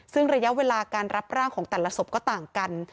ซึ่งระยะเวลาการรับร่างของแต่ละศพก็ต่างกัน